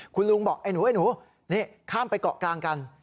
คุณลุงบอกไอ้หนูไอ้หนูนี่ข้ามไปเกาะกลางกัน